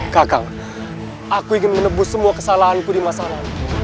kakak aku ingin menebus semua kesalahanku di masalah